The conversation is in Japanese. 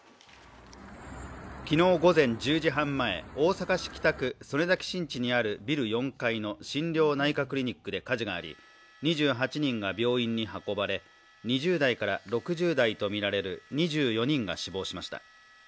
昨日午前１０時半前大阪市北区曽根崎新地にあるビル４階の心療内科クリニックで火事があり２８人が病院に運ばれ、２０代から６０代とみられる２４人が死亡しました。